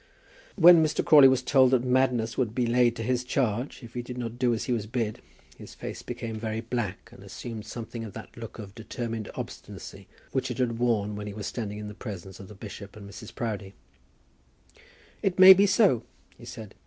When Mr. Crawley was told that madness would be laid to his charge if he did not do as he was bid, his face became very black, and assumed something of that look of determined obstinacy which it had worn when he was standing in the presence of the bishop and Mrs. Proudie. "It may be so," he said.